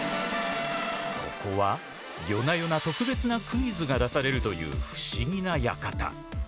ここは夜な夜な特別なクイズが出されるという不思議な館。